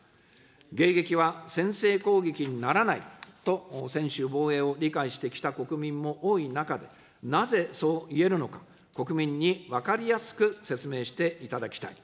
迎撃は先制攻撃にならないと専守防衛を理解してきた国民も多い中で、なぜそう言えるのか、国民に分かりやすく説明していただきたい。